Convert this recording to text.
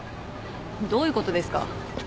どういうことですか？